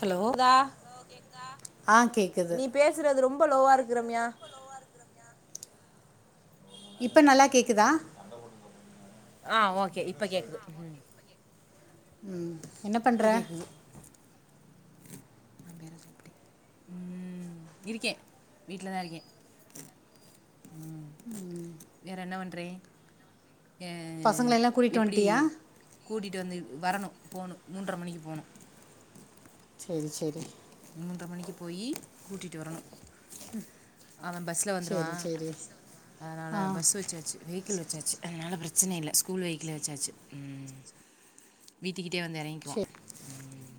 Hello தா ஆ கேக் நீ பேசுறது ரொம்ப லோவா இருக்கு ரம்யா இப்ப நல்லா கேக்குதா ஆ ஓகே இப்ப கேக்குது ம் ம் என்ன பண்ற இப்ப கேக்குது நம் [unintelligible] அப்டி உம் ம் இருக்கே வீட்லதா இருக்கே ம் உம் வேறென்ன பண்றே ஏ பசங்களை எல்லாம் கூட்டிகிட்டு எப்பிடி வந்துட்டியா கூட்டிட்டு வந்து வரணு போணு மூன்ர மணிக்கு போணு செரி செரி மூன்ற மணிக்கு போயி கூட்டிட்டு வரணு அவ பஸ்சுல வந்துருவா சரி சரி அதனால ஆ பஸ்சு வெச்சாச்சு வெஹிக்கள் வெச்சாச்சு அதனால பிரச்சன இல்ல ஸ்கூல் வெஹிக்களே வெச்சாச்சு ம் வீட்டுக்கிட்டயே வந்து எறங்கிக்குவா சரி ம்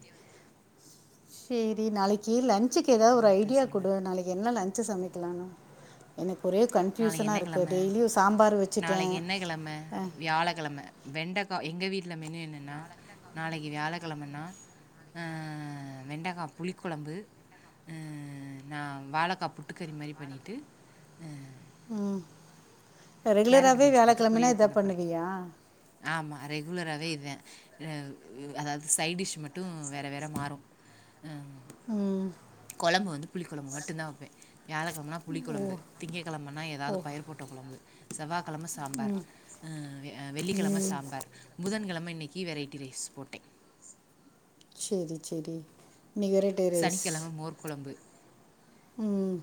சேரி நாளைக்கு லன்சுக்கு ஏதாவது ஒரு என்னத்த ஐடியா சொல்ல குடு நாளைக்கு என்ன லன்சு சமைக்கலானு எனக்கு ஒரே நாளைக்கு கன்ஃபியூசனா என்ன இருக்கு கிழம டெய்லியு சாம்பார் வெச் நாளைக்கு என்ன கெழம வியாழக்கெழம வெண்டக்கா எங்க வீட்ல மெனு என்னன்னா நாளைக்கு வியாழக்கெழமன்னா ஆ வெண்டகா புளி கொழம்பு அ நா வாழக்கா புட்டுக்கறி மாரி பண்ணிட்டு அ ம் கேரட் ரெகுலராகவே பீன்ஸ் போட்டு வியாழக்கிழமைனா பொரியல் இதை பண்ண போறே பண்ணுவியா ஆமா ரெகுலராவே இதுதா ஹ அதாது சைட்டிஷ் மட்டு வேற வேற மாறு அ ம் கொழம்பு வந்து புளி கொழம்பு மட்டு தா வெப்பே வியாழக்கெழமன்னா புளி ஓ கொழம்பு திங்கக்கெழமன்னா ஓ ஏதாது பயிர் போட்ட கொழம்பு செவ்வாக்கெழம சாம்பார் அ வெள்ளிக்கெழம ம் சாம்பார் புதன்கெழம இன்னைக்கி வெரைட்டி ரைஸ் போட்டே செரி செரி இன்னைக் வெரைட் சனிக்கெழம மோர்க்கொழம்பு ம்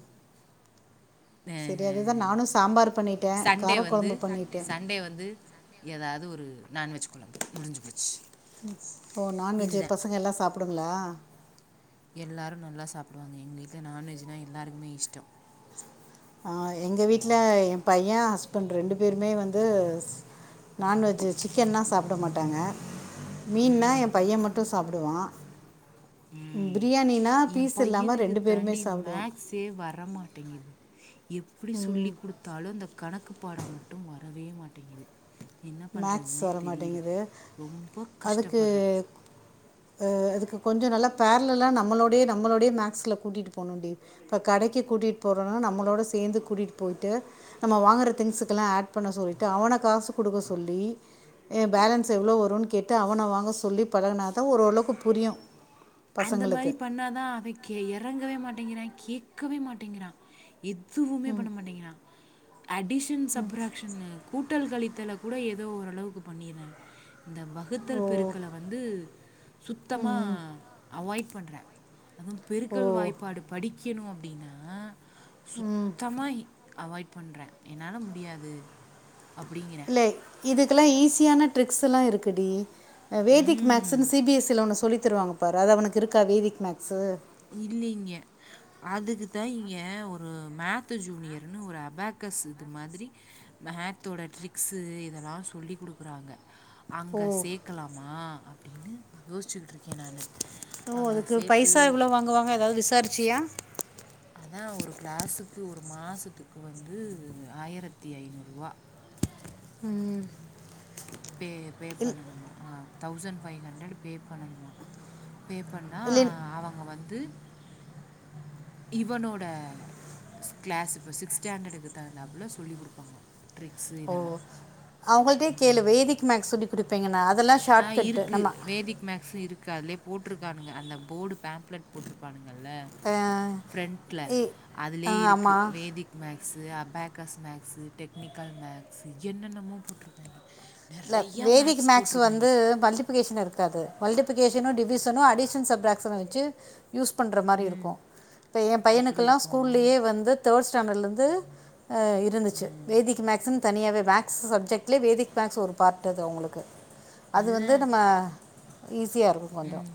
செரி அதுதா நானு சாம்பார் பண்ணிட் சண்டே வந்து சண்டே வந்து ஏதாது ஒரு நான்வெஜ் கொழம்பு முடிஞ்சு போச்சு ஓ நான்வெஜ் இதுதான் பசங்க எல்லா சாப்புடுங்களா எல்லாரு நல்லா சாப்புடுவாங்க எங்க வீட்ல நான்வெஜ்னா எல்லாருகுமே இஷ்டோ ஆ எங்க வீட்ல என் பைய ஹஸ்பண்ட் ரெண்டு பேருமே வந்து ஸ் நான்வெஜ் சிக்கன்னா சாப்ட மாட்டாங்க மீன்னா ஏ பைய மட்டு ஸ் சாப்புடுவா ம் பிரியாணினா பீஸ் இல்லாம ரெண்டு பேருமே சாப்புடுவாங் தே வர மாட்டேங்கிது எப்டி சொல்லி ம் குடுத் தாழுந்த கணக்கு பாடம் மட்டும் வரவே மாட்டேங்கிது என்ன மேக்ஸ் பண்றதுனே வர தெரியல மாட்டேங்குது ரொம்ப அதுக்கு கஷ்டப்படுறோ அதுக்கு கொஞ்ச நல்லா பேர்லெலா நம்மளோடே நம்மளோடய மேக்ஸில கூட்டிட்டு போணுடி இப்ப கடைக்கு கூட்டிட்டு போறோனா நம்மளோட சேந்து கூட்டிட்டு போயிட்டு நம்ம வாங்குற திங்சுக்கல்லா ஆட் பண்ண சொல்லிட்டு அவன காசு குடுக்க சொல்லி ஏ பேலன்ஸ் எவ்ளோ வருன்னு கேட்டு அவன வாங்க சொல்லி பழகனாதா ஓரளவுக்கு புரியு அந்த மாரி பண்ணாதா அவ கே எறங்கவே மாட்டேங்கிறா கேக்கவே மாட்டேங்கிறா எத்துவுமே ம் பண்ண மாட்டேங்கிற அடிஷன் சப்ராக்ஷன் கூட்டல் கழித்தல கூட ஏதோ ஓரளவுக்கு பண்ணிறா இந்த வகுத் ஓ தல் பெருக்கல வந்து சுத்தமா ம் அவாய்ட் பண்றா அதுவு ஓ பெருக்கல் வாய்ப்பாடு படிக்கணு அப்டின்னா ம் சுத்தமா அவாய்ட் பண்றா என்னால முடியாது அப்படிங்கிறேன். இல்லே இதுக்கெல்லா ஈஸியான ட்ரிக்ஸ்ல்லா இருக்குடி வேதிக் ம். மேக்ஸ்னு சி பி எஸ் சில ஒன்னு சொல்லி தருவாங்க பாரு அது உனக்கு இருக்கா வேதிக் மேக்ஸ்சு இல்லீங்க அதுக்குதா எ ஒரு மேத்து ஜூனியர்ன்னு ஒரு அபேக்கஸ் இது மாதிரி மேத்தோட ட்ரிக்ஸ்சு இதெல்லா சொல்லி குடுக்குறாங்க ஓ அங்க சேக்கலாமா அப்டின்னு யோசிச்சுக்கிட்ருக்க நானு ஓ அங்க அதுக்கு சேத்து பைசா எவ்ளோ வாங்குவாங்க ஏதாவது விசாரிச்சியா அதா ஒரு கிளாஸ்சுக்கு ஒரு மாசத்துக்கு வந்து ஆயிரத்தி ஐநூறுவா ம் பே பே பண்ணணுமா தௌசண் ஃபைவ் ஹண்ரட் பே பண்ணணுமா பே பண்ணா இல்லை அவுங்க வந்து இவனோட ஸ்கிளாஸ்ஸு இப்போ சிக்ஸ் ஸ்டாண்டடுக்கு தகுந்தாப்புலா சொல்லி குடுப்பாங்கல ட்ரிக்ஸ் இதெல்லா அவுங்கள்ட்டே கேளு வேதிக் மேக்ஸ்சு சொல்லி குடிப்பீங்கனு அதெல்லா ஆ இருக்கு வேதிக் மேக்ஸ் இருக்கு அதுலே போட்டிருக்கானுங்க அந்த போர்டு பேம்ப்லெட் போட்டிருப்பானுங்கல்ல அஹ் ஃப்ரண்ட்ல இ- அதுலயே அஹ் இருக்கு ஆமாம் வேதிக் maths abacus maths technical maths என்னன்னமோ போட்ருக்காங்க இல்ல வேதிக் மேக்ஸ் வந்து மல்டிபிக்கேஷன் இருக்காது மல்டிபிக்கேஷனு டிவிஷனு அடிஷன் சப்ராக்ஷன் வச்சி யூஸ் பண்ற மாரி ம் இருக்கு இப்போ எ அப்படி பையனுக்குல்லா இருக்கும் ஸ்கூல்லயே வந்து தேர்ட் ஸ்டாண்டர்லருந்து அ இருந்துச்சு வேதிக் மேக்ஸ்ன்னு தனியாவே மேக்ஸ் சப்ஜெட்லயே வேதிக் மேக்ஸ் ஒரு பார்ட் அது அவுங்களுக்கு அது வந்து நம்ம ஈஸியா இருக்கு ம்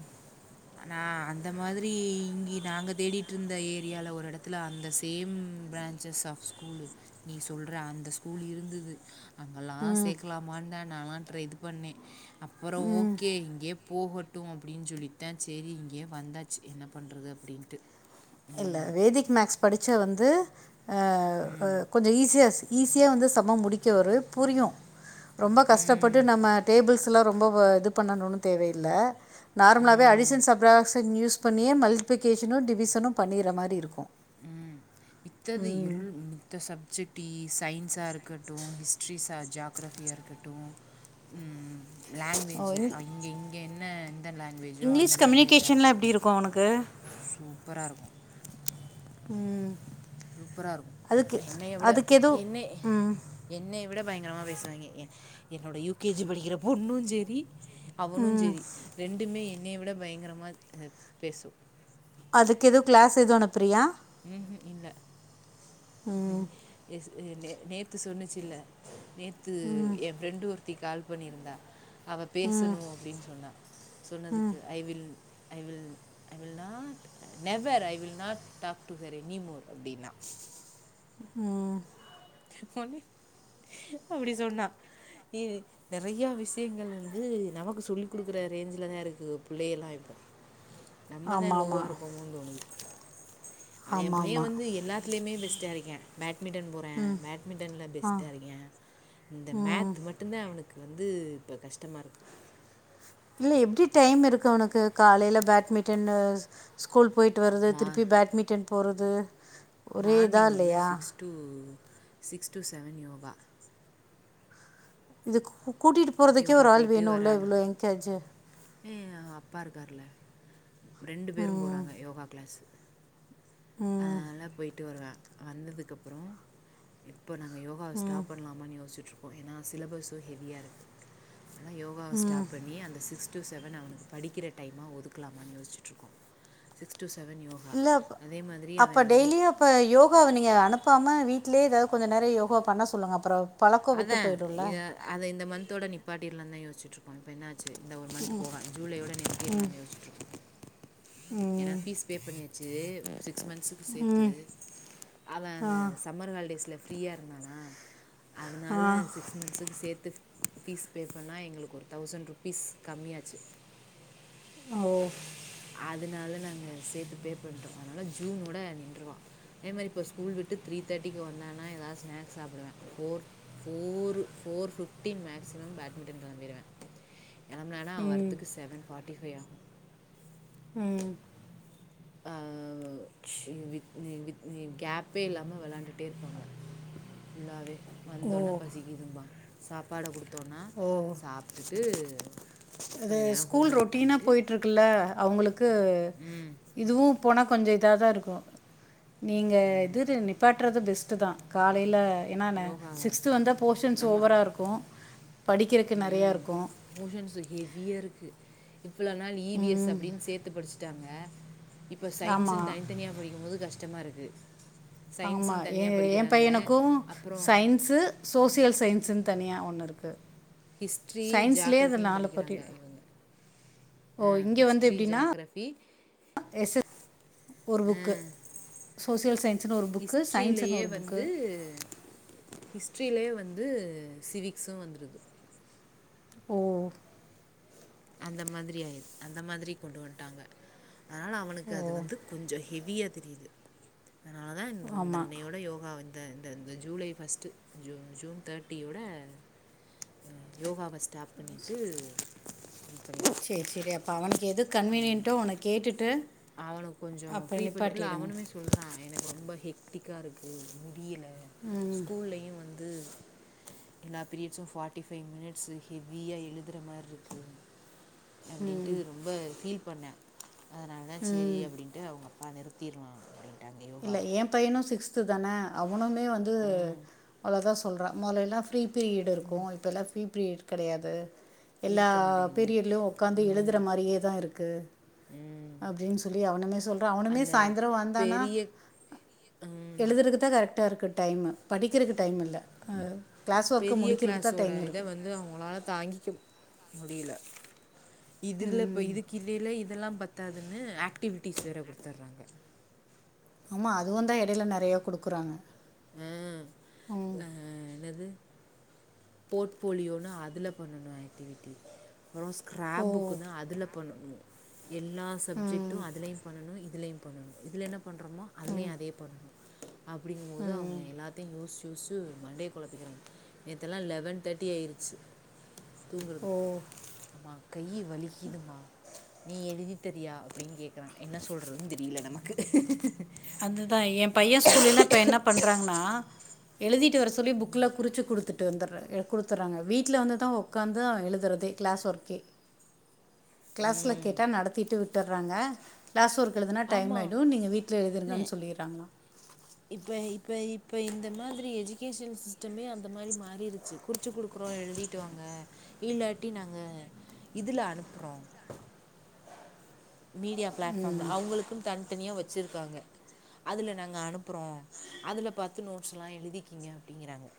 நா அந்த மாதிரி இங்கி நாங்க தேடிட்டு இருந்த ஏரியால ஒரு இடத்துல அந்த same branches of school நீ சொல்ற அந்த ஸ்கூல் இருந்துது அங்கெல்லா ம் சேக்கலாமா தா நலா ட்ர இது பண்ணே அப்புற ஓகே இங்யே போகட் டு அப்டின்னு சொல்லிட்தா சேரி இங்கேயே வந்தாச்சு என்ன பண்ணறது அப்டின்ட்டு இல்ல வேதிக் மேக்ஸ் படிச்ச வந்து அ அ ம் கொஞ்ச ஈஸியாஸ் ஈஸியா வந்து சம்ம முடிக்க ஒரு புரியு ரொம்ப கஷ்டப்பட்டு ம் நம்ம டேபிள்ஸ் இதுல ரொம்ப இது பண்ணணுன்னு தேவ இல்ல நார்மலாவே ஆ அடிசன் சப்ரக்சன் யூஸ் பண்ணி யே மல்டிபிகேஷனு டிவிசனு பண்ணிற மாரி இருக்கு ம் மித்தது எள் ம் மத்த சப்ஜெக்டி சயின்சா இருக்கட்டு ஹிஸ்ட்ரிஸா ஜாகரஃபிய இருக்கட்டு ம் ஓ லாங்வேஜு இங்- ஆ இங்க இங்க என்ன எந்த லாங் வேஜோ அந்த இங்கிலீஷ் லாங்குவவேஜா கம்யூனிகேஷன்லாம் இருக்கட்டு எப்படி இருக்கும் சூப்பரா இருக்கு ம் சூப்பரா இருக்கு என்ன எவட எதுவும் என்னே ம், என்னை விட பயங்கரமா பேசுறாய்ங்க எ என்னோட யு கே ஜி படிக்கிற பொண்ணு சேரி அவனு சேரி ரெண்டுமே என்னைய விட பயங்கரமா பேசு அதுக்கு எதுவு க்ளாஸ் எது அனுப்புரியா ம்ஹு இல்ல ம் ஸ் அ நே நேத்து சொன்னுச்சுல்ல நேத்து எ ஃப்ரெண்டு ஒரு த்தி கால் பண்ணியிருந்தா அவ பேசணு அப்டின்னு சொன்னா சொன்னதுக்கு I will I will I will not never I will not talk to her any more அப்டின்னா ம் ஒன்னே அப்டியா சொன்னா இது நெறையா விஷயங்கள் வந்து நமக்கு சொல்லி குடுக்குற ரேஞ்சுல தா இருக்கு பிள்ளைகள்லா இப்ப நம்மதா ஆமாம் லோவாக ஆமாம் இருக்கோமோனு தோணுது அவே எயே ஆமாம் பையன் ஆமாம் வந்து எல்லாத்துலேயுமே பெஸ்ட்டா இருக்க பேட்மிட்டன் போறா பேட்மிட்டன்ல பெஸ்ட்டா இருக்கா இந்த ம் மேத் மட்டுதா அவனுக்கு வந்து இப்ப கஷ்டமா இருக்கு இல்ல எப்டி டைம் இருக்கு அவனுக்கு காலையில பேட்மிட்டனு ஸ்கூல் போயிட்டு வர்றது மா திருப்பி பேட்மிட்டன் போறது ஒரே இதா இல்லையா to six to seven yoga இது கூட்டிட்டு போறதுக்கே ஒரு ஆள் வேணு இல்ல இவ்ளோ எங்கேஜி ஏ அவ அப்பா இருக்கார்ல ரெண்டு பேரும் ம் போறாங்க யோகா கிளாஸ்சு ம் அதனால போயிட்டு வருவே வந்ததுக்கு அப்றோ இப்ப நாங்க யோ இப்ப ம். ஸ்டாப் பண்ணலாமான்னு யோசிச்சிட்டு இருக்கோ ஏன்னா சிலபஸ்சும் ஹெவியா இருக்கு ஆனா யோகாவ ஸ்டாப் பண்ணி அந்த சிஸ் சிக்ஸ் டு செவன் அவனுக்கு படிக்கிற டைமா ஒதுக்கலாமான்னு யோசிச்சுட்டு இருக்கோ சிக்ஸ் டு செவன் யோ இல்ல அப் அப்ப டெய்லியு இப்போ யோகாவ நீங்க அனுப்பாம வீட்லேயே ஏதாது கொஞ்ச நேரோ யோகா பண்ண சொல்லுங்க அப்பறோ பழக்கோ விட்டு போயிடும்ல அத இந்த மந்தோட நிப்பாட்டிலாம் தா யோசிச்சிட்டு இருக்கோ இப்ப என்ன சி இந்த ஒரு மந்த் போவா ஜூலையோட நிறுத்திட்லாம்னு யோசிச்சிட்டு இருக்கோ ஏன்னா ஃபீஸ் பே பண்ணியாச்சி சிக்ஸ் மந்த்துக்கு சேத்து அவே அத சம்மர் ஹாலிடேஸ்ல ஃப்ரீயா இருந்தானா அதனால செ சிக்ஸ் மந்த்துக்கு சேத்து ஃபீஸ் பே பண்ணா எங்களுக்கு ஒரு தௌசண்ட் ருபீஸ் கம்மியாச்சி ஓ அதுனால நாங்க சேத்து பே பண்ணிட்டோ அதனால ஜூனோட நின்றுருவா அதே மாரி இப்போ ஸ்கூல் விட்டு த்ரீ தேர்டிக்கு வந்தானா எதாது ஸ்னக்ஸ் சாப்புடுவே four four four fifteen maximum badminton கெளம்பிடுவே கெளம்னாலா அவ ம் வர்றத்துக்கு செவன் ஃப்ட்டி ஃபைவ ஆகு ம் ஆ இ வித் நீ வித் நீ கேப்பே இல்லாம வெளையாண்டுட்டே இருப்பாங்க ஃபுல்லாவே ஓ வந்தோன்ன பசிக்கிதும்பா சாப்பாட குடுத் த்தோனா ஓ சாப்டுட்டு கொஞ்ச நேரோ ஹோம் ஒர்க் பண்ணிட்டு இருக்குள்ள அவுங்களுக்கு இதுவு போனா கொஞ்ச இதா தா இருக்கு நீங்க இது நிப்பாட்றது பெஸ்ட் தா காலைல என்னான யோகாவை சிக்ஸ்த்து வந்தா போர்ஷன்ஸ் ஆமாம் ஓவராக இருக்கு படிக்கிறதுக்கு நறையா இருக்கு போஷன்ஸ் ஹெவியாக இருக்கு இவ்வுள நாள் இ பி எஸ் ம் அப்டின்னு சேத்து படிச்சுட்டாங்க இப்ப சயின்ஸ்சுன்னு ஆமாம் தனித்தனியாக படிக்கும்போது கஷ்ட கஷ்டமா இருக்கு ஆமா ஏ ஏ பையனுக்கு அப்புறம் சயின் சு சோசியல் சயின்ஸ்னு தனியா ஒன்னு இருக்கு ஹிஸ்டரி ஜாக்ரஃபின்னு பற்றி படிக்கிறாங்க இவங்க ஆ ஓ ஹிஸ்ட்ரி ஜாக்ரஃபி எஸ் ஒரு புக்கு சோசியல் சயின்ஸ்னு ஒரு புக்கு சயின்ஸ்னு ஒரு புக்கு க்கு ஹிஸ்ட்ரிலயே வந்து சிவிக்ஸ்சு வந்துருது ஓ அந்த மாதிரி ஆயிரு அந்த மாதிரி கொண்டு வன்டாங்க ஆன அவனுக்கு ஓ அது வந்து கொஞ்ச ஹெவியா தெரியுது அதனாலதா இந் இந்த ஆமாம் இன்ணையோட யோகா த இந்த இந்த ஜூலை பஸ்ட்டு ஜூ ஜூன் தேட்டியோட யோகாவ ஸ்டாப் பண்ணிட்டு சேர் சேரி அப்போ அவனுக்கு எது கன்வீனியன்ட்டோ அவன கேட்டுட்டு அவன கொஞ்சோ அப்போ ஃப்ரீ பண்ணி இல்ல நிப்பாட்டிடுங்க அவனுமே சொல்றா எனக்கு ரொம்ப ஹீ டிக்கா இருக்கு முடியில்ல ஸ்கூலயு வந்து எல்லா பீரியட்ஸ்சு ஃபார்ட்டி ஃபைவ் மினிட்ஸ்சு ஹெவியா எழுதற மார்ருக்கு ம் அப்டின்ட்டு ரொம்ப ஃபீல் பண்ணே அதனால சேரி ம் அப்டின் டு அவுங்க அப்பா நிறுத்திர்லா அப்டின் இல்ல ஏ பையனு சிக்ஸ்த்து தானே அவனுமே வந்து ம் அவ்ளோதா சொல்றா மெல்லல்லா ஃப்ரீ பீரியட் இருக்கு இப்ப எல்லா ஃப்பி பீரியட் கெடையாது எல்லா இருக்க மாட்டேங்குது பீரியட்லயு ஒக்காந்து ம் எழுதற மாரியே தா இருக்கு அப்டின் சொல்லி அவனுமே சொல்றா அவனுமே அந்த சாயிந்தரோ வந்தானா பெரிய எழுதருக்தா கரெக்டா இருக்கு டைமு படிக்கறக்கு டைம் இல்ல ஆ கிளாஸ் ஒர்க்கு முடிக்கிறக்கு தா டைம் இருக்கு து அவுங்ளால தாங்கிக்க முடியில இதுல ப ம் இதுக் கிடேல இதெல்லாம் பத்தாதுனு ஆக்டிவிட்டிஸ் வேற குடுத்தற்றாங்க ஆமா அதுவுந்தா எடைல நெறயா குடுக்குறாங்க ஆ ஆ என்னது போட் போலியோனு அதுல பண்ணணு ஆக்டிவிட்டி ஓ ஓ ஸ்க்ராப் புக்குனா அதுல பண்ணணு எல்லா சப்ஜெக்டு ம் அதிலயு பண்ணணும் இதுலயு பண்ணனு இதுல என்ன பண்றோமோ அதுலயு அதே பண்ணனு அப்டிங்கும் போது ம் அவங்க எல்லாத் தியு யோஸ் யோஸ்சு மண்டய கொழப்பிக்கிறாங் நேத்தெல்லா லெவன் தேட்டி ஆயிருச்சு ஓ தூங்கறதுக் அம்மா கையி வலிக்கிதும்மா நீ எழுதி தரியா அப்டின் கேக்கறா என்ன சொல்றதுன் தெரியல நமக்கு அதுதா ஏ பைய ஸ்கூல்லில்லா இப்ப என்ன பண்றாங்கன்னா எழுதிட் டு வர சொல்லி புக்ல குறுச்சு குடுத்து டு வந்தர குடுத்துறாங்க வீட்ல வந்துதா ஒக்காந்து அவ எழுதறதே கிளாஸ் ஒர்க்கே கிளாஸ்ல ம் கேட்டா நடத்திட்டு விட்டற்றாங்க கிளாஸ் ஒர்க் எழுதுனா டைம் ஆமா ஆயிடு நீங்க வீட் ட்ல இல்ல எழுதிருங்கன் சொல்லிற்றாங்களா இப்ப இப்ப இப்ப இந்த மாதிரி எஜிகேஷன் சிஸ்டமே அந்த மாரி மாறிருச்சு குறிச்சு குடுக்குறோ எழுதிட்டு வாங்க இல்லாட்டி நாங்க இதுல அனுப்புறோ மீடியா பிளாட் ஃபார்ம்ல ம் அவுங்களுக்குன் தன்தனியா வச்சு இ ருப்பாங்க அதுல நாங்க அனுப்புறோ அதுல பாத்து நோட்ஸ்லா எழுதுக்கிங்க அப்டிங்கிறாங்க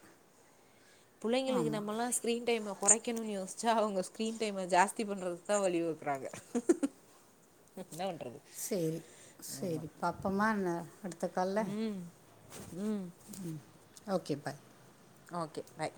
புள்ளைங்களுக்கு ஆமாம் நம்மல்லா ஸ் கிரீன் டைம கொறைக்கணுன் யோஸ்ச்சா அவுங்க ஸ்கிரீன் டைம ஜாஸ்தி பண்ணுறதுக் தா வழி வகுக்குறாங்க என்னா பண்றது சேரி சேரி பாப்பமா என்ன ம் ம் ம் ஓகே பாய் ஓகே பாய்